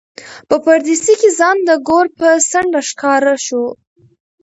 په پردېسۍ کې ځان د ګور په څنډه ښکاره شو.